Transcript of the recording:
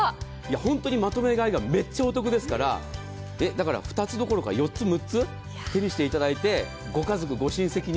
本当にまとめ買いがめっちゃお得ですからだから、２つどころか４つ、６つ手にしていただいてご家族、ご親戚に。